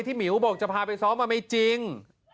ที่หมิวบอกจะพาไปซ้อมไม่จริง